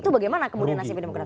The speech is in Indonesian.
itu bagaimana kemudian nasib demokrat